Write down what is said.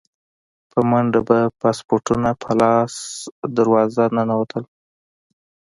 په منډه به پاسپورټونه په لاس دروازه ننوتل.